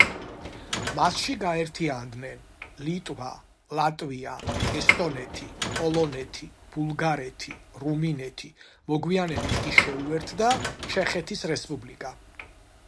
მასში გაერთიანდნენ ლიტვა, ლატვია, ესტონეთი, პოლონეთი, ბულგარეთი, რუმინეთი, მოგვიანებით კი შეუერთდა ჩეხეთის რესპუბლიკა.